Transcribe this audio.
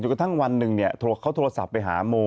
กระทั่งวันหนึ่งเขาโทรศัพท์ไปหาโม